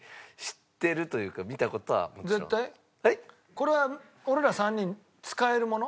これは俺ら３人使えるもの？